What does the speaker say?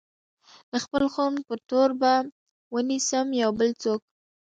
د خپل خون په تور به ونيسم يو بل څوک